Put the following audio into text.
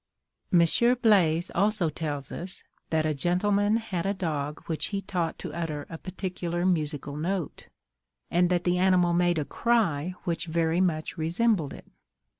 Monsieur Blaze also tells us, that a gentleman had a dog which he taught to utter a particular musical note, and that the animal made a cry which very much resembled it.